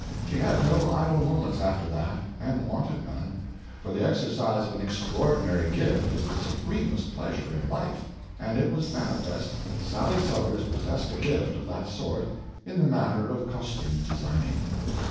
She had no idle moments after that, and wanted none; for the exercise of an extraordinary gift is the supremest pleasure in life, and it was manifest that Sally Sellers possessed a gift of that sort in the matter of costume designing.